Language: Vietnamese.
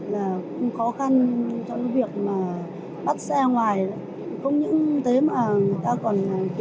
là cũng khó khăn trong việc mà bắt xe ngoài không những thế mà người ta còn kiểu phải giá cả